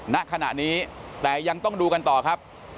ณขณะนี้แต่ยังต้องดูกันต่อครับ